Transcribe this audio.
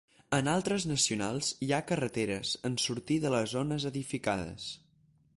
En altres nacionals, hi ha carreteres en sortir de les zones edificades.